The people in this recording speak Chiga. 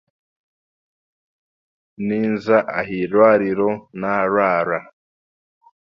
Ninza ahairwariro naarwara.